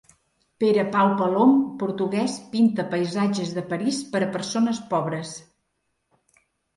Pere Pau Palom, portugués, pinta paisatges de París per a persones pobres.